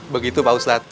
begitu pak ustaz